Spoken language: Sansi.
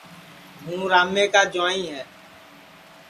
ہوں رامے کا جُوائیں ہے